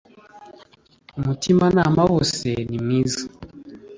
umutima nama wose nimwiza